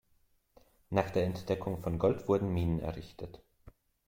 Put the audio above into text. Nach der Entdeckung von Gold wurden Minen errichtet.